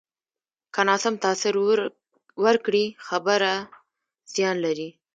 که ناسم تاثر ورکړې، خبره زیان لري